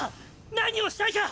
何をしたいか！